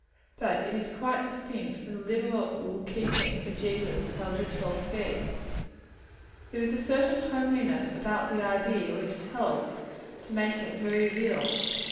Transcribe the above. But it is quite distinct from the literal keeping for Jesus of our literal feet. There is a certain homeliness about the idea which helps to make it very real.